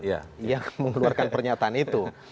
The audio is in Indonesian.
yang mengeluarkan pernyataan itu